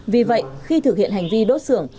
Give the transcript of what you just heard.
vì vậy khi thực hiện hành vi đốt sưởng